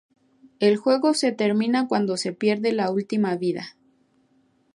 El juego termina cuando se pierde la última vida.